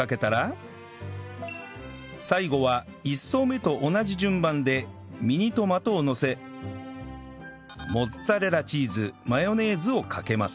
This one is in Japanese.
最後は１層目と同じ順番でミニトマトをのせモッツァレラチーズマヨネーズをかけます